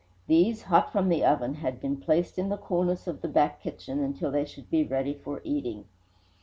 These, hot from the oven, had been placed in the coolness of the back kitchen until they should be ready for eating.